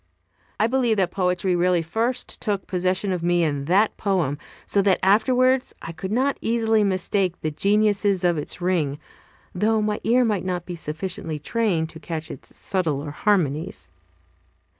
I believe that poetry really first took possession of me in that poem, so that afterwards I could not easily mistake the genuineness of its ring, though my ear might not be sufficiently trained to catch its subtler harmonies.